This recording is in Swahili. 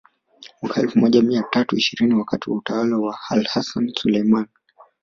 Mwaka elfu moja mia tatu ishirini wakati wa utawala wa AlHassan Sulaiman